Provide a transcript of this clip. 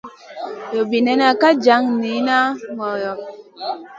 Robinena ka jan niyna goyo.